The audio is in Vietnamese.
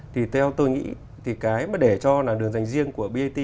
thì theo tôi nghĩ để cho làn đường dành riêng của brt